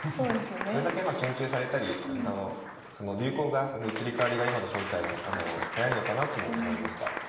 それだけまあ研究されたり流行の移り変わりが今の将棋界は早いのかなとも思いました。